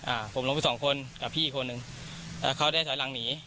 อ่าผมล้มไปสองคนกับพี่อีกคนนึงแล้วเขาได้ถอยหลังหนี